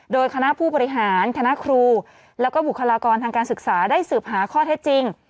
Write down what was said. โดยคณะผู้บริหารคณะครูแล้วก็บุคลากรทางการศึกษาได้สืบหาข้อเท็จจริง